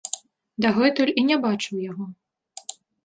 Дагэтуль і не бачыў яго.